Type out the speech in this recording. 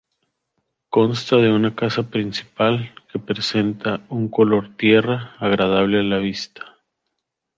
Consta de una casa principal que presenta un color tierra agradable a la vista.